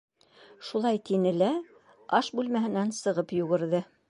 Шулай тине лә аш бүлмәһенән сығып йүгерҙе.